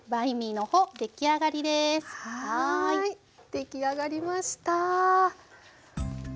出来上がりました。